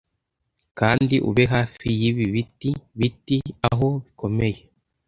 Kandi, ube hafi yibi biti-biti, aho bikomeye